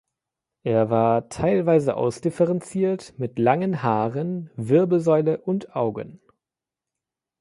Er war teilweise ausdifferenziert, mit langen Haaren, Wirbelsäule und Augen.